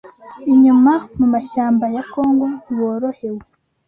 inyuma mu mashyamba ya Congo ntiworohewe